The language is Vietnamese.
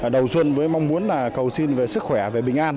đầu xuân với mong muốn là cầu xin về sức khỏe về bình an